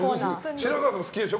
白河さんも好きでしょ。